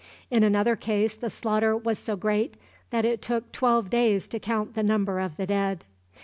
In another case the slaughter was so great that it took twelve days to count the number of the dead.